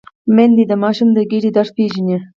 میندې د ماشوم د ګیډې درد پېژني۔